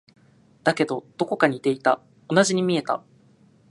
だけど、どこか似ていた。同じに見えた。